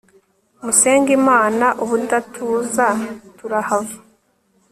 musenge imana ubudatuza turahava